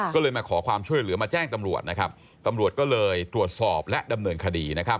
ก็เลยมาขอความช่วยเหลือมาแจ้งตำรวจตำรวจตรวจสอบและดำเนินคดี